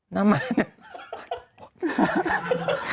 หน้าม่าน